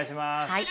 はい。